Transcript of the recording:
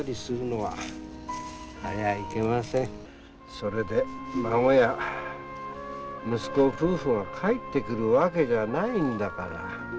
それで孫や息子夫婦が帰ってくるわけじゃないんだから。